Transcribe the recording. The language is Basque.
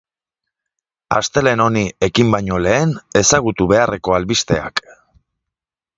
Astelehen honi ekin baino lehen ezagutu beharreko albisteak.